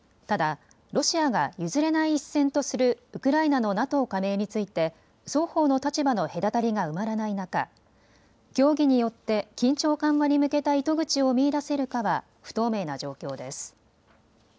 ただロシアが譲れない一線とするウクライナのＮＡＴＯ加盟について双方の立場の隔たりが埋まらない中、協議によって緊張緩和に向けた糸口を見いだせるかは不透明な状況です。